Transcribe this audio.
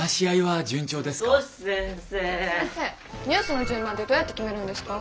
先生ニュースの順番ってどうやって決めるんですか？